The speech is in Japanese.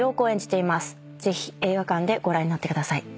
ぜひ映画館でご覧になってください。